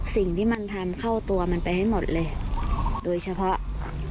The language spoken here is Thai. สิ่งที่มันทำเข้าตัวมันไปให้หมดเลยโดยเฉพาะ